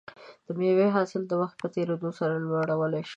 د مېوو حاصل د وخت په تېریدو سره لوړولی شي.